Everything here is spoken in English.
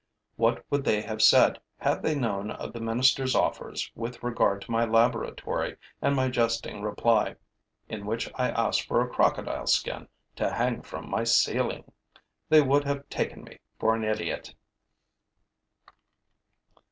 What would they have said had they known of the minister's offers with regard to my laboratory and my jesting reply, in which I asked for a crocodile skin to hang from my ceiling! They would have taken me for an idiot.